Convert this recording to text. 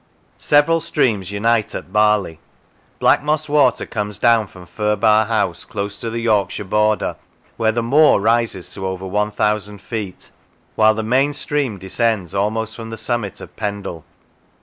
Several streams unite at Barley. Blackmoss Water comes down from Firbar House, close to the Yorkshire border, where the moor rises to over 1,000 feet, while the main stream descends almost from the summit of Pendle.